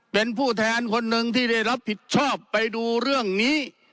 เป็นผู้แทนคนหนึ่งที่ได้รับผิดชอบไปดูเรื่องนี้